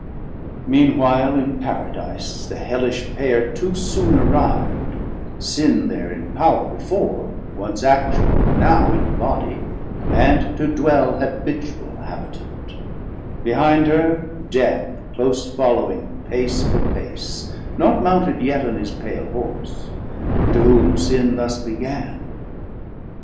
Mean while in Paradise the hellish pair Too soon arriv'd, Sin there in power before, Once actual, now in body, and to dwell Habitual habitant; behind her Death Close following pace for pace, not mounted yet On his pale Horse: to whom Sin thus began.